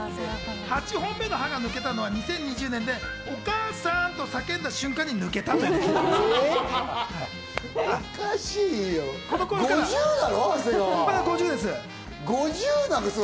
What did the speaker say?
８本目の歯が抜けたのは２０２０年で、お母さん！と叫んだ瞬間に抜けたということです。